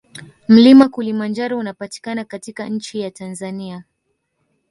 Mlima kulimanjaro unapatikana katika nchi ya Tanzania